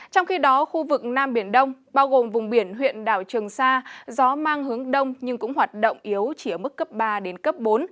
trong khi đó khu vực nam biển đông bao gồm vùng biển huyện đảo trường sa gió mang hướng đông nhưng cũng hoạt động yếu chỉ ở mức cấp ba đến cấp bốn